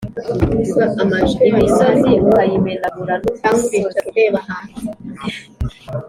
imisozi ukayimenagura n udusozi